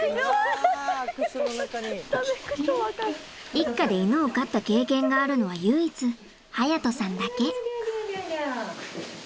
一家で犬を飼った経験があるのは唯一隼人さんだけ。